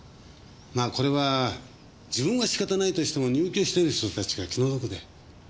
まあこれは自分は仕方ないとしても入居している人達が気の毒で。